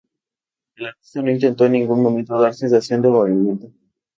El artista no intentó en ningún momento dar sensación de movimiento.